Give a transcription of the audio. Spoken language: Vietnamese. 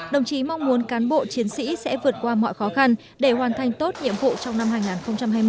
đồng chí mong muốn cán bộ chiến sĩ sẽ vượt qua mọi khó khăn để hoàn thành tốt nhiệm vụ trong năm hai nghìn hai mươi